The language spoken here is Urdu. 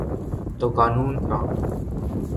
تو قانون کا۔